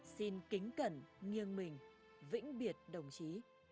xin kính cẩn nghiêng mình vĩnh biệt đồng chí